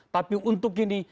tapi untuk ini